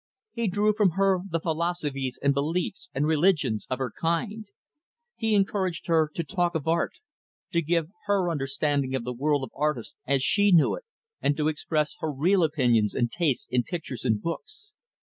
He drew from her the philosophies and beliefs and religions of her kind. He encouraged her to talk of art to give her understanding of the world of artists as she knew it, and to express her real opinions and tastes in pictures and books.